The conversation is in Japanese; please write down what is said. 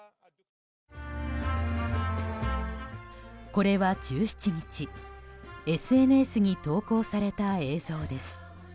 これは１７日ＳＮＳに投稿された映像です。